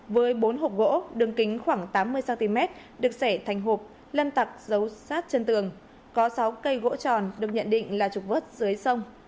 với bốn hộp gỗ đường kính khoảng tám mươi cm được xẻ thành hộp lâm tặc giấu sát chân tường có sáu cây gỗ tròn được nhận định là trục vớt dưới sông